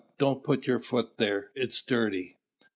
don't put your foot there, it's dirty."